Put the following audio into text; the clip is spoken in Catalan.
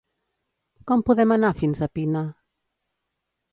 Com podem anar fins a Pina?